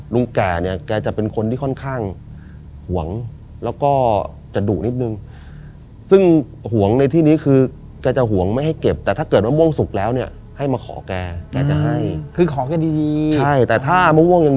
ลุงแก่เนี่ยแกจะเป็นคนที่ค่อนข้าง